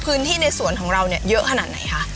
ในสวนของเราเนี่ยเยอะขนาดไหนคะ